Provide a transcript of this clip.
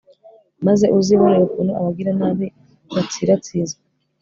maze uzibonere ukuntu abagiranabi batsiratsizwa